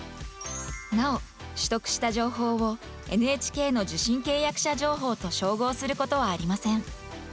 なお、取得した情報をＮＨＫの受信契約者情報と照合することはありません。